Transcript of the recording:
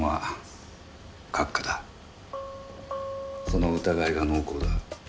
その疑いが濃厚だ。